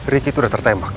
ricky tuh udah tertembak